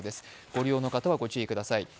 ご利用の方はご注意ください。